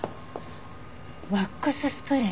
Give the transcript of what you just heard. ワックススプレー？